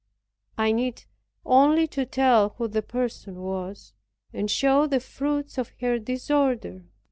I needed only to tell who the person was, and show the fruits of her disorder.